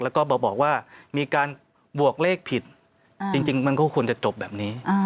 แล้วก็บอกว่ามีการบวกเลขผิดจริงมันก็ควรจะจบแบบนี้